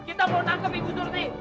kita mau nangkep bu surti